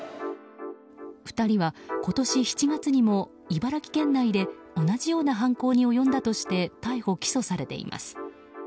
２人は、今年７月にも茨城県内で同じような犯行に及んだとして逮捕・起訴されています。